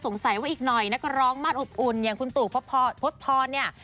สงสัยว่าอีกหน่อยนักร้องมาสอบอุ่นอย่างคุณตู่พบพรเนี่ย